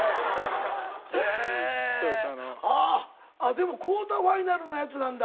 でもクオーターファイナルのやつなんだ。